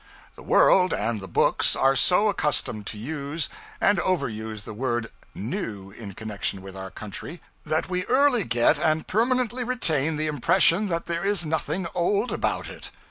The world and the books are so accustomed to use, and over use, the word 'new' in connection with our country, that we early get and permanently retain the impression that there is nothing old about it.